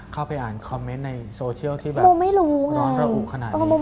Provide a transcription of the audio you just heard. เข้าไปอ่านคอมเมนต์ในโซเชียลที่แบบนอนระอุขนาดนี้